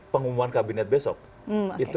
pengumuman kabinet besok itu